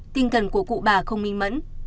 tinh thần của cụ bà không minh mẫn